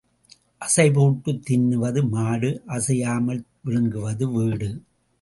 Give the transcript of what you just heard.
அசை போட்டுத் தின்னுவது மாடு அசையாமல் விழுங்குவது வீடு.